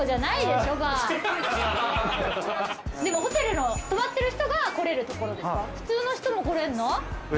でもホテルの泊まってる人が来れる所ですか？